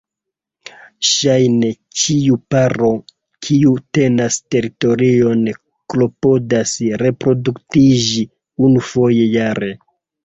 Ŝajne ĉiu paro kiu tenas teritorion klopodas reproduktiĝi unufoje jare.